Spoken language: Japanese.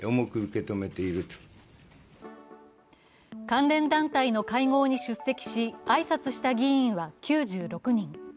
関連団体の会合に出席し挨拶した議員は９６人。